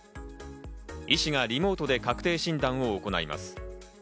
医師がリモートで確定診断を行います。